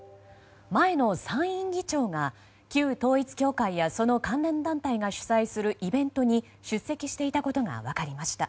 前の参院議長が旧統一教会やその関連団体が主催するイベントに出席していたことが分かりました。